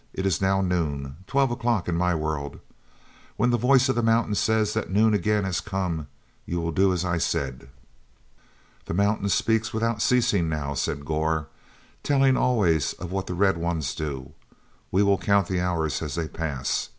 It is now noon—twelve o'clock in my world. When the Voice of the Mountain says that noon again has come you will do as I said." "The Mountain speaks without ceasing now," said Gor, "telling always of what the Red Ones do. We will count the hours as they pass.